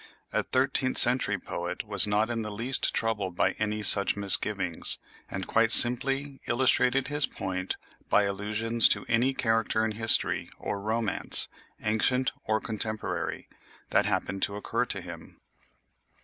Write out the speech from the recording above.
A thirteenth century poet was not in the least troubled by any such misgivings, and quite simply illustrated his point by allusions to any character in history or romance, ancient or contemporary, that happened to occur to him.